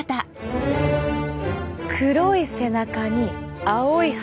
黒い背中に青い腹。